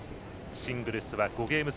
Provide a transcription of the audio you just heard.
シングルスは５ゲーム制。